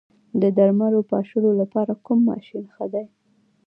د درمل پاشلو لپاره کوم ماشین ښه دی؟